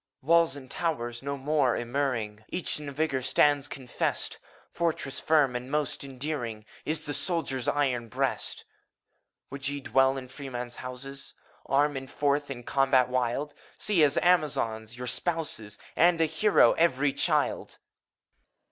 EUPHORION. Walls and towers no more immuring. Each in vigor stands confessed! Fortress firm and most enduring Is the soldier's iron breast. Would ye dwell in freemen's houses t Arm, and forth to combat wild! See, as Amazons, your spouses, And a hero every child!